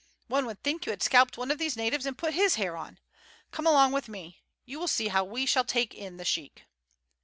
One would think you had scalped one of these natives and put his hair on. Come along with me. You will see how we shall take in the sheik."